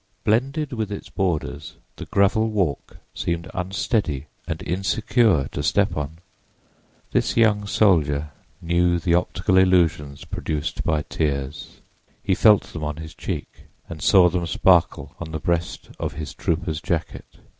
Blended with its borders, the gravel walk seemed unsteady and insecure to step on. This young soldier knew the optical illusions produced by tears. He felt them on his cheek, and saw them sparkle on the breast of his trooper's jacket.